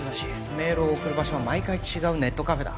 メールを送る場所は毎回違うネットカフェだ